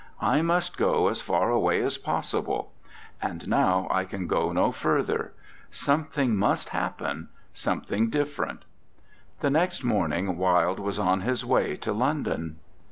I must go as far away as pos sible. And now I can go no further. Something must happen something different." The next morning Wilde was on his way to London.